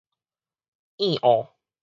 喑噁